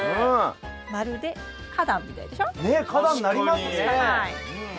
まるで花壇みたいでしょ？ねえ。